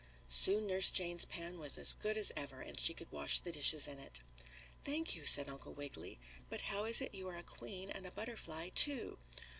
Soon Nurse Jane's pan was as good as ever and she could wash the dishes in it. "Thank you," said Uncle Wiggily. "But how is it you are a queen and a butterfly, too?"